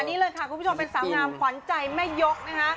นี่เลยค่ะคุณผู้ชมเป็นสาวงามขวัญใจแม่ยกนะคะ